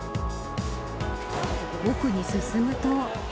奥に進むと。